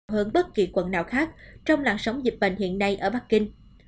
hơn bất kỳ quận nào khác trong làn sóng dịch bệnh hiện nay ở bắc kinh